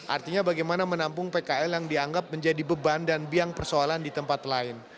artinya bagaimana menampung pkl yang dianggap menjadi beban dan biang persoalan di tempat lain